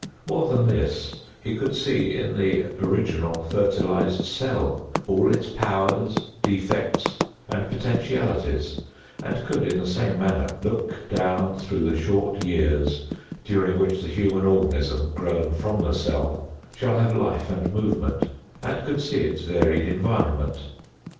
More than this, he could see in the original, fertilized cell, all its powers, defects and potentialities and could, in the same manner, look down through the short years during which the human organism, grown from the cell, shall have life and movement, and could see its varied environment.